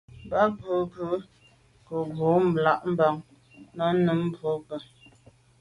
Mb’a’ ghù ju z’a ke’ bwô là Bam nà num mbwôge.